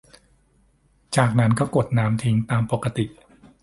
จากนั้นก็กดน้ำทิ้งตามปกติ